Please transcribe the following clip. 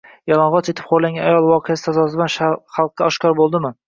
Yalang‘och etib xo‘rlangan ayol voqeasi tasodifan xalqqa oshkor bo‘ldimi?